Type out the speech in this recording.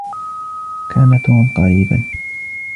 كان توم قريبا.